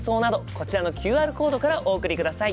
こちらのＱＲコードからお送りください。